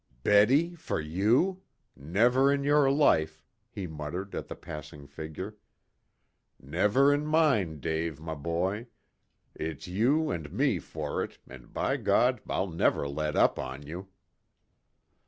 "Betty for you? Never in your life," he muttered at the passing figure. "Never in mine, Dave, my boy. It's you and me for it, and by God I'll never let up on you!"